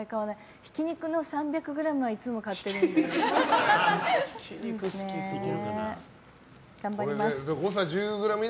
ひき肉の３００ｇはいつも買ってるのに。